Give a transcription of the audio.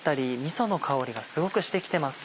その香りがすごくしてきてますね。